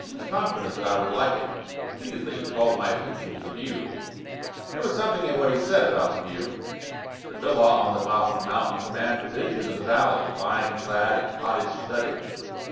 He was confident that I would like it. Repeatedly he called my attention to the view. There was something in what he said about the view. The villa on the top of a mountain commanded a vision of the valley, vine clad and cottage studded.